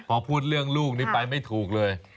พอพูดเรื่องลูกนี้ไปไม่ถูกเลย